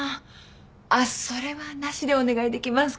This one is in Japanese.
あっそれはなしでお願いできますか。